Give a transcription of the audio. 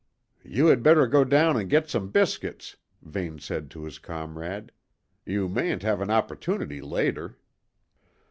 "You had better go down and get some biscuits," Vane said to his comrade. "You mayn't have an opportunity later."